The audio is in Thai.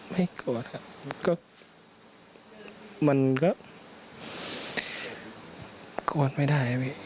ไม่โกรธครับก็มันก็โกรธไม่ได้